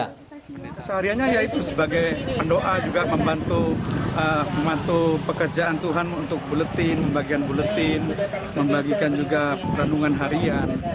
keseharianya ya itu sebagai pendoa juga membantu pekerjaan tuhan untuk buletin membagian buletin membagikan juga perandungan harian